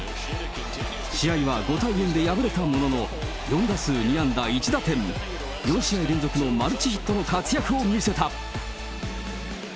試合は５対４で敗れたものの、４打数２安打１打点、４試合連続のマルチヒットの活躍を見せた。